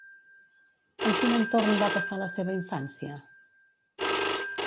En quin entorn va passar la seva infància?